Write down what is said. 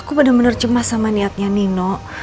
aku bener bener cemas sama niatnya nino